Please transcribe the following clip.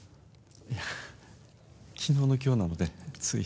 いや、昨日の今日なので、つい。